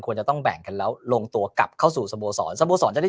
ควรจะต้องแบ่งกันแล้วลงตัวกลับเข้าสู่สโมสรสโมสรจะได้